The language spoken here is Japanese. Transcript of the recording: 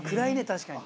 確かに。